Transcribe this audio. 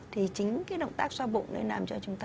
thì chính cái động tác xoa bụng nó làm cho chúng ta